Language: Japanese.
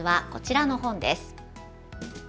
まずは、こちらの本です。